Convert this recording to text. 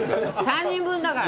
３人分だから。